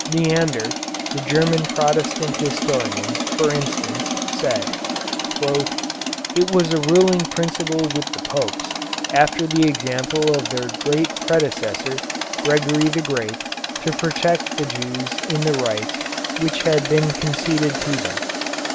Neander, the German Protestant historian, for instance, said: "It was a ruling principle with the Popes after the example of their great predecessor, Gregory the Great, to protect the Jews in the rights which had been conceded to them.